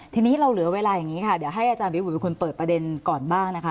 ทีนี้เราเหลือเวลาอย่างนี้ค่ะเดี๋ยวให้อาจารย์วิบุตเป็นคนเปิดประเด็นก่อนบ้างนะคะ